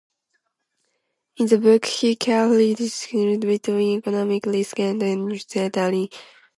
In that book, he carefully distinguished between economic risk and uncertainty.